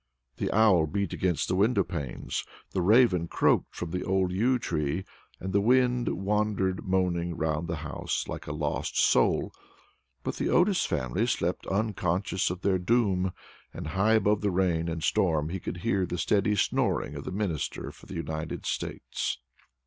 The owl beat against the window panes, the raven croaked from the old yew tree, and the wind wandered moaning round the house like a lost soul; but the Otis family slept unconscious of their doom, and high above the rain and storm he could hear the steady snoring of the Minister for the United States.